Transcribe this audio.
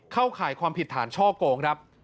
เข้าข่ายความผิดฐานช่อโกงครับ